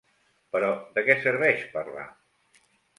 Però de què serveix parlar?